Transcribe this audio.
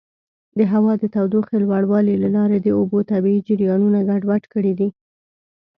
د هوا د تودوخې لوړوالي له لارې د اوبو طبیعي جریانونه ګډوډ کړي دي.